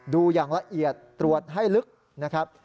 ดูอย่างละเอียดตรวจให้ลึกนะครับ